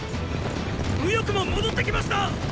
右翼も戻って来ました！